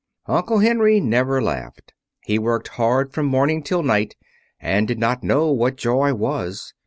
Uncle Henry never laughed. He worked hard from morning till night and did not know what joy was.